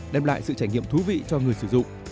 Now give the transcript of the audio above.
đem lại sự trải nghiệm thú vị cho người sử dụng